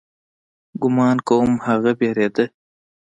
ګومان کوم هغه وېرېده.